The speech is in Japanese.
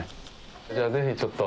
じゃあぜひちょっと。